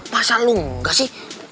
masa lo enggak sih